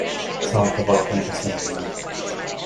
Szálka valakinek a szemében.